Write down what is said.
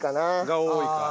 が多いか。